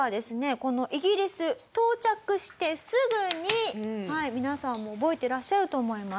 このイギリス到着してすぐにはい皆さんも覚えてらっしゃると思います。